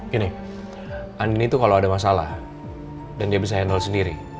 gini andini itu kalau ada masalah dan dia bisa handle sendiri